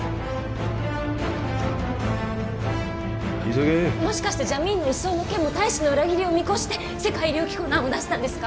急げもしかしてジャミーンの移送の件も大使の裏切りを見越して世界医療機構の案を出したんですか？